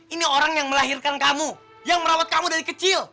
ini orang yang melahirkan kamu yang merawat kamu dari kecil